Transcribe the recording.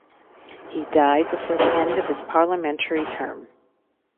He died before the end of his parliamentary term.